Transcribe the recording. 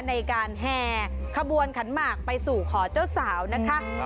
แห่ขบวนขันหมากไปสู่ขอเจ้าสาวนะคะ